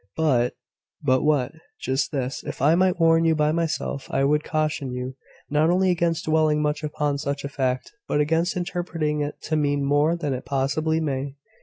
But ." "But what?" "Just this. If I might warn you by myself; I would caution you, not only against dwelling much upon such a fact, but against interpreting it to mean more than it possibly may.